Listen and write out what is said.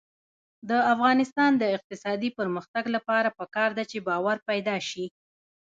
د افغانستان د اقتصادي پرمختګ لپاره پکار ده چې باور پیدا شي.